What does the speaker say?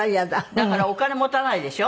だからお金持たないでしょ？